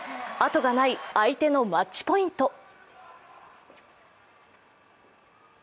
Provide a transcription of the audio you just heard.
後がない相手のマッチポイント。